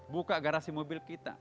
buka garasi mobil kita